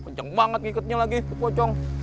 kenceng banget kikatnya lagi itu pocong